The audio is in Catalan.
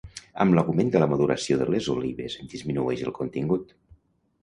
Amb l'augment de la maduració de les olives en disminueix el contingut.